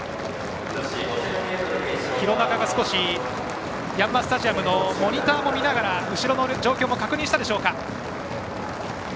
廣中がヤンマースタジアムのモニターも見ながら後ろの状況も確認したでしょうか。